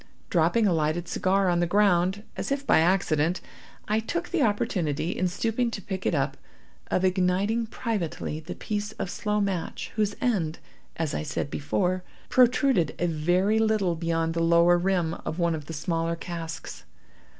Dropping a lighted cigar on the ground, as if by accident, I took the opportunity, in stooping to pick it up, of igniting privately the piece of slow match, whose end, as I said before, protruded a very little beyond the lower rim of one of the smaller casks.